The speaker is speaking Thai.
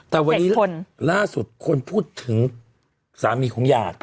แต่วันนี้ล่าสุดคนพูดถึงสามีของหยาด